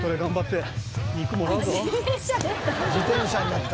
「あっ自転車になった」